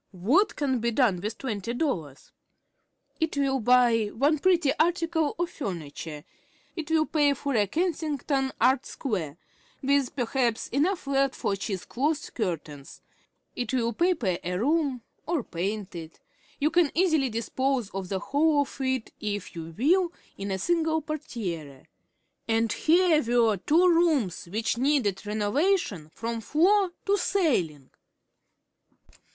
What can be done with twenty dollars? It will buy one pretty article of furniture. It will pay for a "Kensington Art Square," with perhaps enough left for cheese cloth curtains. It will paper a room, or paint it. You can easily dispose of the whole of it, if you will, in a single portière. And here were two rooms which needed renovation from floor to ceiling!